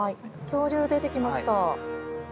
恐竜、出てきました。